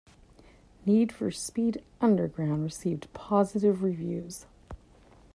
"Need for Speed: Underground" received positive reviews.